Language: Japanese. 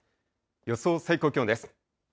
予想最高気温です。